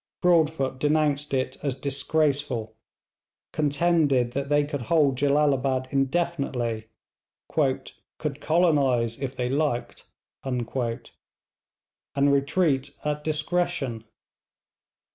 Broadfoot denounced it as disgraceful, contended that they could hold Jellalabad indefinitely 'could colonise if they liked' and retreat at discretion.